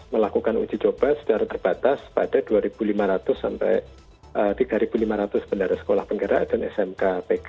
melakukan uji coba secara terbatas pada dua lima ratus sampai tiga lima ratus bendara sekolah penggerak dan smk pk